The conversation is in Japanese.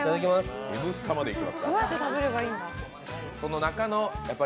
「Ｎスタ」までいきますから。